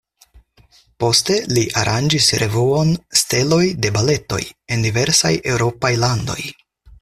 Poste li aranĝis revuon "Steloj de baletoj" en diversaj eŭropaj landoj.